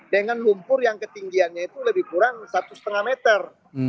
dengan lumpur yang ketinggiannya itu lebih kurang satu lima meter